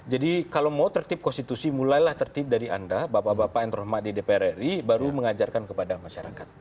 kalau mau tertib konstitusi mulailah tertib dari anda bapak bapak yang terhormat di dpr ri baru mengajarkan kepada masyarakat